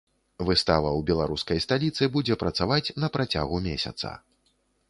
Выстава ў беларускай сталіцы будзе працаваць на працягу месяца.